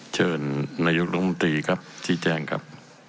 เชิญนโมงฤทธิชิ้นแจ้งครับ